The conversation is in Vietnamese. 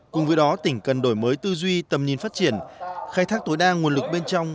cùng với đó tỉnh cần đổi mới tư duy tầm nhìn phát triển khai thác tối đa nguồn lực bên trong